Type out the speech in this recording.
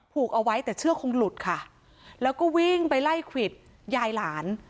ผูกเอาไว้แต่เชือกคงหลุดค่ะแล้วก็วิ่งไปไล่ขวิดยายหลาน